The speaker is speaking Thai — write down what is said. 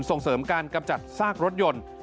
ส่งเสริมการกำจัดซากรถยนต์